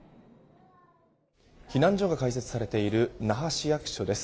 避難所が開設されている那覇市役所です。